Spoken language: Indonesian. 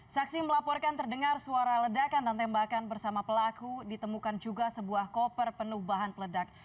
saksi melaporkan terdengar suara ledakan dan tembakan bersama pelaku ditemukan juga sebuah koper penuh bahan peledak